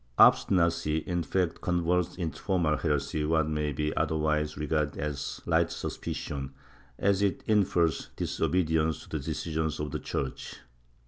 Obstinacy, in fact, converts into formal heresy what may be otherwise regarded as fight suspicion, as it infers disobedience to the decisions of the Church.